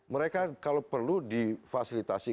mereka kalau perlu difasilitasi